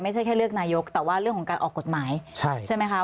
ไม่ใช่แค่เลือกนายกแต่ว่าเรื่องของการออกกฎหมายใช่ไหมคะ